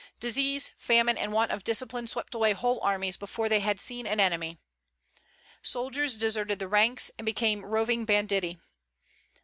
"Disease, famine, and want of discipline swept away whole armies before they had seen an enemy." Soldiers deserted the ranks, and became roving banditti.